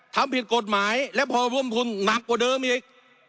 ทำผิดกฎหมายและพอร่วมทุนหนักกว่าเดิมอีก